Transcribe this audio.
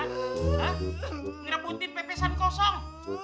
ngerebutin pepesan kosong